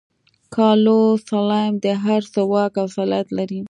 کارلوس سلایم د هر څه واک او صلاحیت لري.